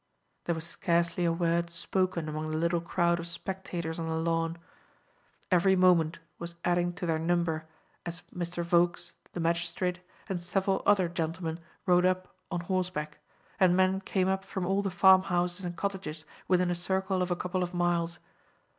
There was scarcely a word spoken among the little crowd of spectators on the lawn. Every moment was adding to their number as Mr. Volkes, the magistrate, and several other gentlemen rode up on horseback, and men came up from all the farmhouses and cottages within a circle of a couple of miles.